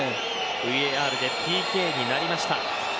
ＶＡＲでＰＫになりました。